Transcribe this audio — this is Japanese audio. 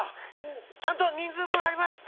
ちゃんと人ずうぶんあります！